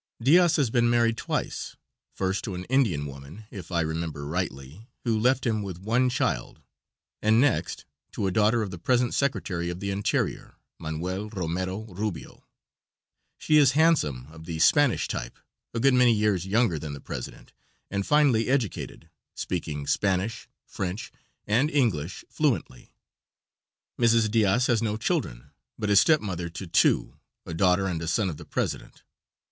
Diaz has been married twice first to an Indian woman, if I remember rightly, who left him with one child, and next to a daughter of the present Secretary of the Interior, Manuel Romero Rubio. She is handsome, of the Spanish type, a good many years younger than the president, and finely educated, speaking Spanish, French and English fluently. Mrs. Diaz has no children, but is step mother to two a daughter and a son of the president.